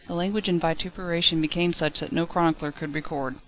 The language and vituperation became such as no chronicler could record.